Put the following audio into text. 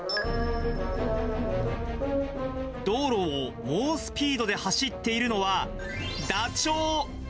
道路を猛スピードで走っているのは、ダチョウ。